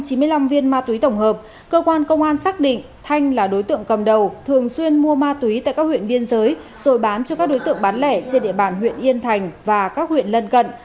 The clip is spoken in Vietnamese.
trên tổng hợp cơ quan công an xác định thanh là đối tượng cầm đầu thường xuyên mua ma túy tại các huyện biên giới rồi bán cho các đối tượng bán lẻ trên địa bàn huyện yên thành và các huyện lân cận